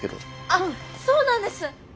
あっそうなんです！